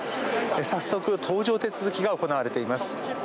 早速、搭乗手続きが行われています。